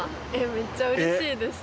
めっちゃ嬉しいです！